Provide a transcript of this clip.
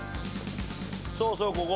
そうそうここ。